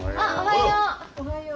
おはよう。